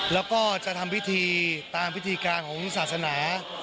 แล้วก็จะทำพิธีตามพิธีการของศาสนา